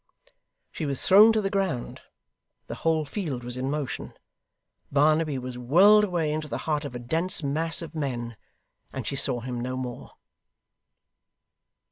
She was thrown to the ground; the whole field was in motion; Barnaby was whirled away into the heart of a dense mass of men, and she saw him no more.